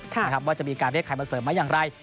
ว่าจะมีการเรียกใครมาเสริมไหมอย่างไร